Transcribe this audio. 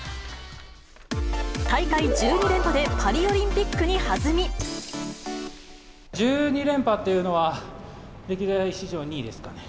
大会１２連覇で、パリオリン１２連覇っていうのは、歴代史上２位ですかね。